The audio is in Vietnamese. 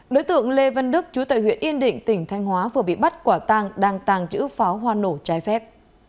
đối tượng lê văn đức chú tại huyện yên định tỉnh thanh hóa vừa bị bắt quả tàng đang tàng trữ pháo hoa nổ trái phép